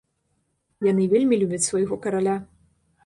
Яны вельмі любяць свайго караля.